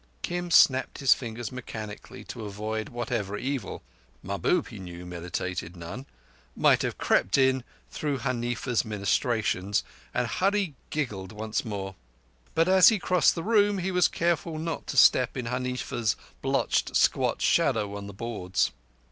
Kim snapped his fingers mechanically to avert whatever evil—Mahbub, he knew, meditated none—might have crept in through Huneefa's ministrations; and Hurree giggled once more. But as he crossed the room he was careful not to step in Huneefa's blotched, squat shadow on the boards.